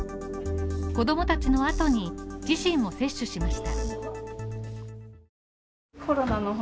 子供たちの後に自身も接種しました。